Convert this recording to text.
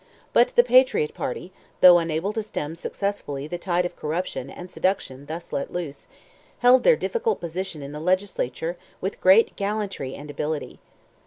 But the Patriot party, though unable to stem successfully the tide of corruption and seduction thus let loose, held their difficult position in the legislature with great gallantry and ability.